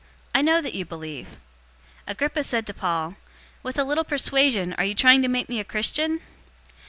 I know that you believe." 026:028 Agrippa said to Paul, "With a little persuasion are you trying to make me a Christian?"